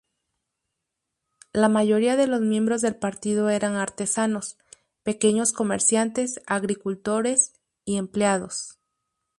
La mayoría de los miembros del partido eran artesanos, pequeños comerciantes, agricultores y empleados.